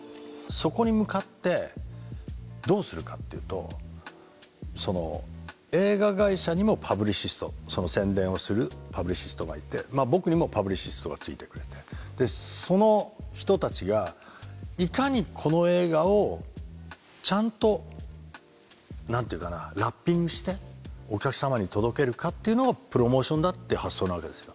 そこに向かってどうするかっていうと映画会社にもパブリシストその宣伝をするパブリシストがいて僕にもパブリシストがついてくれてその人たちがいかにこの映画をちゃんと何て言うかなラッピングしてお客様に届けるかっていうのがプロモーションだって発想なわけですよ。